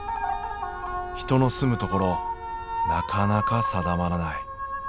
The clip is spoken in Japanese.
人々の住む所なかなか定まらない。